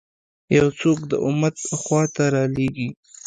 یو څوک د امت خوا ته رالېږي.